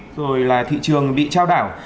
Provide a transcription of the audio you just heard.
rồi là thị trường bị trao đảo